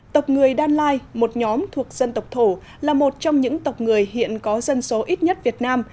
tộc người đan lai một nhóm thuộc dân tộc thổ là một trong những tộc người hiện có dân số ít nhất việt nam